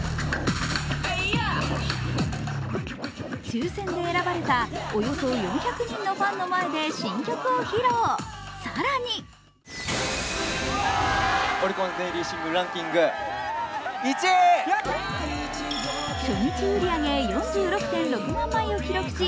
抽選で選ばれたおよそ４００人のファンの前で新曲を披露、更に初日売り上げ４６．６万枚を記録し、